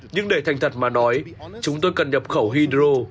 nhưng để thành thật mà nói chúng tôi cần nhập khẩu hydro